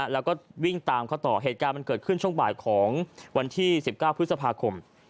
แล้วก็วิ่งตามเขาต่อเหตุการณ์มันเกิดขึ้นช่วงบ่ายของวันที่๑๙พฤษภาคม